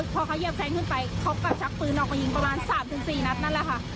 พอเขาเหยียบแทงขึ้นไปเขาก็ชักปืนออกมายิงประมาณ๓๔นัดนั่นแหละค่ะ